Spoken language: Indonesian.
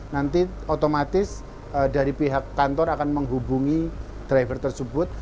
nanti otomatis dari pihak kantor akan menghubungi driver tersebut